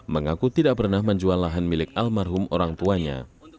mengaku tidak pernah menjual lahan milik almarhum orang tuanya